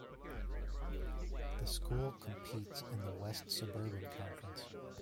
The school competes in the West Suburban Conference.